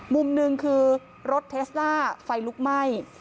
มุมหนึ่งคือรถเทสล่าไฟลุกไหม้